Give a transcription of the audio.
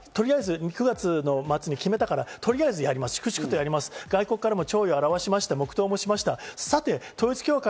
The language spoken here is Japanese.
国葬の問題は、９月の末に決めたからとりあえずやります、粛々とやります、外国からも弔意をもらいました、黙とうもしましたと。